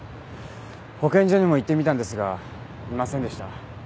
保健所にも行ってみたんですがいませんでした。